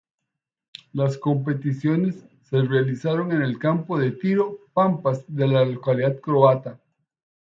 Las competiciones se realizaron en el Campo de Tiro Pampas de la localidad croata.